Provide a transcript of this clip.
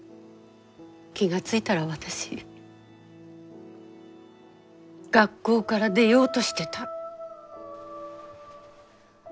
気が付いたら私学校から出ようとしてた。